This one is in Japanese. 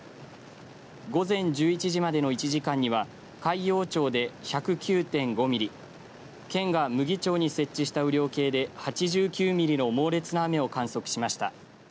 午前１１時までの１時間には海陽町で１０９．５ミリ県が牟岐町に設置した雨量計で８９ミリの猛烈な雨を観測しました。